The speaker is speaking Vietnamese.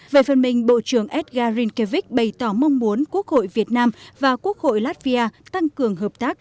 về phần mình bộ trưởng edgar rinkevich bày tỏ mong muốn quốc hội việt nam và quốc hội latvia tăng cường hợp tác